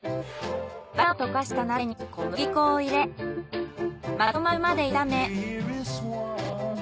バターを溶かした鍋に小麦粉を入れまとまるまで炒め。